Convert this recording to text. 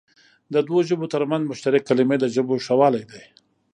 د دوو ژبو تر منځ مشترکې کلمې د ژبو ښهوالی دئ.